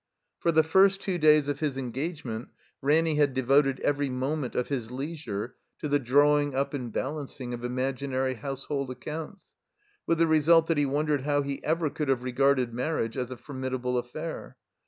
For the first two days of his engagement Ranny had devoted every moment of his leisure to the drawing up and balancing of imaginary household accounts; with the result that he wondered how he ever could have regarded marriage as a formidable affair.